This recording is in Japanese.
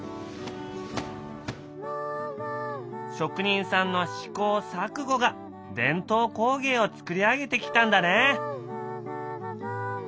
職人さんの試行錯誤が伝統工芸を作り上げてきたんだね。